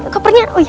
kopernya oh iya